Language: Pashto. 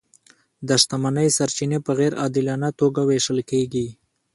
د شتمنۍ سرچینې په غیر عادلانه توګه وېشل کیږي.